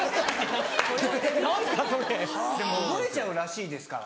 でも覚えちゃうらしいですからね。